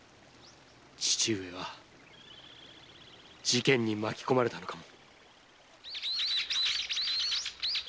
父上は事件に巻き込まれたのかも。